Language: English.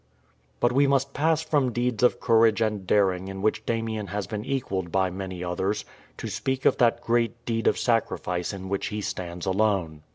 But we must pass from deeds of courage and daring in which Damien has been equalled by many others, to speak of that great deed of sacrifice in which he stands alone.